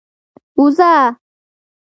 اوزه؟